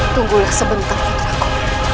tunggulah sebentar putraku